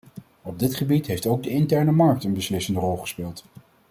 Op dit gebied heeft ook de interne markt een beslissende rol gespeeld.